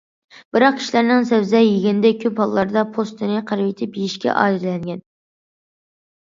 بىراق كىشىلەرنىڭ سەۋزە يېگەندە كۆپ ھاللاردا پوستىنى قىرىۋېتىپ يېيىشكە ئادەتلەنگەن.